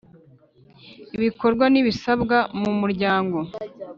ibikorwa n ibisabwa mu Muryango